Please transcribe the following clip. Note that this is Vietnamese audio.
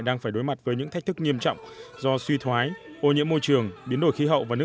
đang phải đối mặt với những thách thức nghiêm trọng do suy thoái ô nhiễm môi trường biến đổi khí hậu và nước